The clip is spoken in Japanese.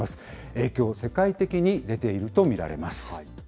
影響、世界的に出ていると見られます。